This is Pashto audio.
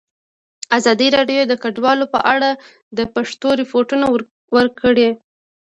ازادي راډیو د کډوال په اړه د پېښو رپوټونه ورکړي.